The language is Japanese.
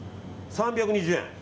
３２０円。